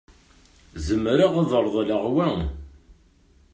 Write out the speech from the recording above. Zemreɣ ad reḍleɣ wa?